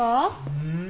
うん？